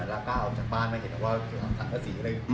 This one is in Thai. แล้วกล้าออกจากบ้านมันเห็นแบบว่าจะสั่งสะสีเลย